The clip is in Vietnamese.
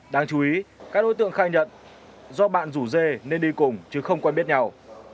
đáng chú ý các đối tượng khai nhận do bạn rủ dê nên đi cùng chứ không quen biết nhau